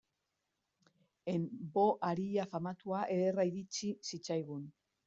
En vo aria famatua ederra iritsi zitzaigun.